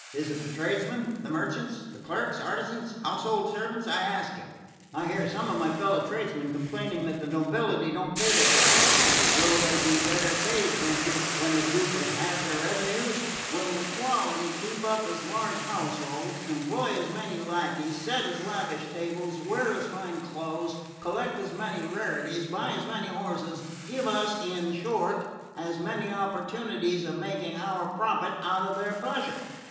Is it the tradesmen? The merchants? The clerks, artisans, household servants, I ask you? I hear some of my fellow tradesmen complaining that the nobility don't pay their bills. Will they be better paid, think you, when the Duke has halved their revenues? Will the quality keep up as large households, employ as many lacqueys, set as lavish tables, wear as fine clothes, collect as many rarities, buy as many horses, give us, in short, as many opportunities of making our profit out of their pleasure?